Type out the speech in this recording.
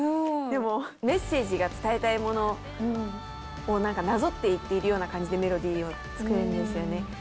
でもメッセージが伝えたいものを、なんかなぞっているような感じでメロディーを作るんですよね。